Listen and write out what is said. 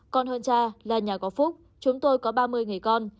con hơn cha là nhà của phúc chúng tôi có ba mươi người con